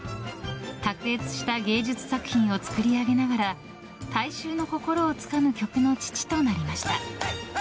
卓越した芸術作品を作り上げながらも大衆の心をつかむ曲の父となりました。